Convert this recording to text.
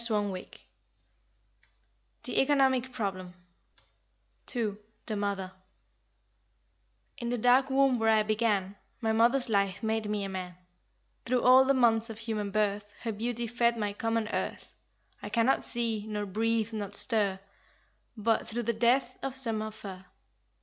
CHAPTER VIII THE ECONOMIC PROBLEM (2) THE MOTHER "In the dark womb where I began My mother's life made me a man; Through all the months of human birth Her beauty fed my common earth; I cannot see, nor breathe, nor stir, But through the death of some of her."